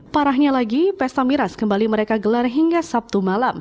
parahnya lagi pesta miras kembali mereka gelar hingga sabtu malam